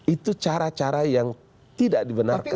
itu cara cara yang tidak dibenarkan